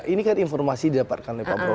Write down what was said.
ini kan informasi didapatkan oleh pak prabowo